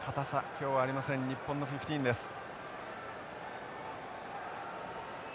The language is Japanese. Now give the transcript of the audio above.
今日はありません日本のフィフティーンです。